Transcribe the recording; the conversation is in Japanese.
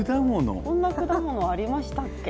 こんな果物、ありましたっけ？